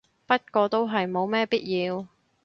不過都係冇乜必要